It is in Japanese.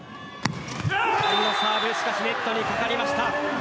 サーブしかしネットにかかりました。